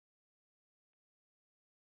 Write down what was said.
د هغه خبرو ته به مو غوږ نيوه.